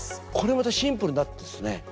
これまたシンプルになったんですね。